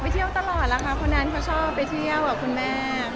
ไปเที่ยวตลอดแหละค่ะคนนั้นเขาชอบไปเที่ยวอะคุณแม่ค่ะ